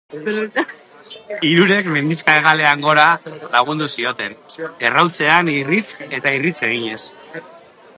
Hirurek mendixka hegalean gora lagundu zioten, errautsean irrist eta irrist eginez.